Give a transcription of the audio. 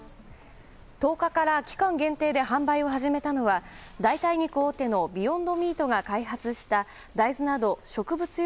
１０日から期間限定で販売を始めたのは代替肉大手のビヨンド・ミートが開発した大豆など植物